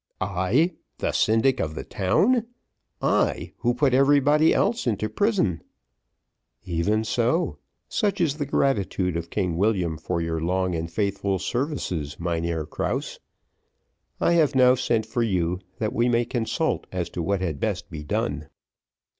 "I, the syndic of the town! I, who put everybody else into prison!" "Even so; such is the gratitude of King William for your long and faithful services, Mynheer Krause! I have now sent for you, that we may consult as to what had best be done.